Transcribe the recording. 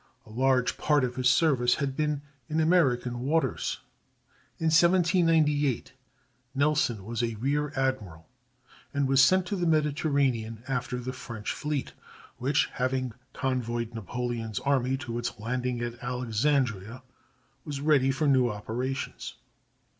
A large part of his service had been in American waters. In 1798 Nelson was a rear admiral, and was sent to the Mediterranean after the French fleet, which, having convoyed Napoleon's army to its landing at Alexandria, was ready for new operations.